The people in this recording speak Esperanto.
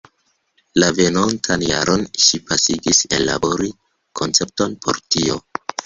La venontan jaron ŝi pasigis ellabori koncepton por tio.